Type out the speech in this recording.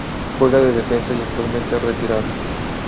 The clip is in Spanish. Juega de defensa y actualmente retirado.